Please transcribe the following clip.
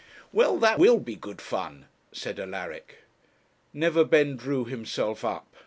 'Well, that will be good fun,' said Alaric. Neverbend drew himself up.